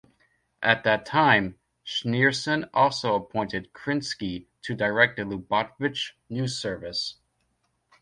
At that time, Schneerson also appointed Krinsky to direct the Lubavitch News Service.